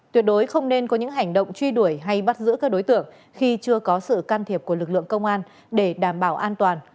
tuyệt đối không nên có những hành động truy đuổi hay bắt giữ các đối tượng khi chưa có sự can thiệp của lực lượng công an để đảm bảo an toàn